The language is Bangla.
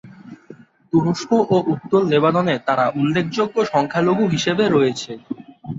তুরস্ক ও উত্তর লেবাননে তারা উল্লেখযোগ্য সংখ্যালঘু হিসেবে রয়েছে।